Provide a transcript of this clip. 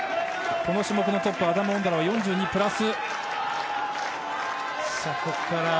この種目のトップアダム・オンドラは４２プラス。